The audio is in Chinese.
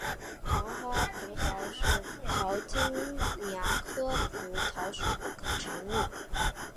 长花蒲桃是桃金娘科蒲桃属的植物。